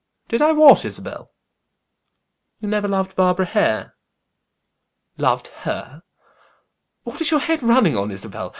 "Did I what, Isabel?" "You never loved Barbara Hare?" "Loved her! What is your head running on, Isabel?